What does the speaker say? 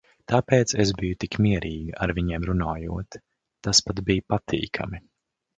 Tāpēc es biju tik mierīga, ar viņiem runājot. tas pat bija patīkami.